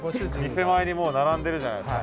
店前にもう並んでるじゃないですか。